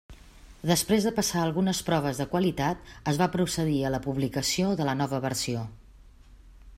Després de passar algunes proves de qualitat, es va procedir a la publicació de la nova versió.